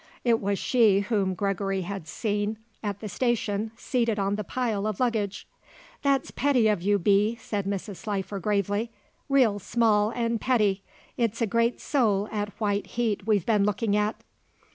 It was she whom Gregory had seen at the station, seated on the pile of luggage. "That's petty of you, Bee," said Mrs. Slifer gravely. "Real small and petty. It's a great soul at white heat we've been looking at."